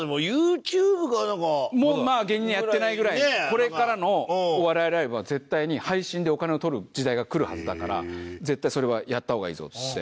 これからのお笑いライブは絶対に配信でお金を取る時代がくるはずだから絶対それはやった方がいいぞっつって。